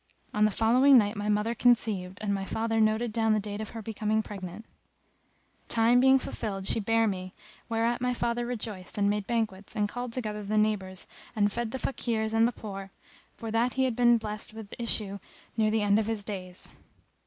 On the following night my mother conceived and my father noted down the date of her becoming pregnant.[FN#267] Her time being fulfilled she bare me; whereat my father rejoiced and made banquets and called together the neighbours and fed the Fakirs and the poor, for that he had been blessed with issue near the end of his days.